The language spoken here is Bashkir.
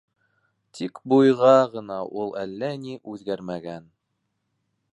Тик буйға ғына ул әллә ни үҙгәрмәгән.